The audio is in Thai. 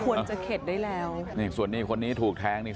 ควรจะเข็ดได้แล้วนี่ส่วนนี้คนนี้ถูกแทงนี่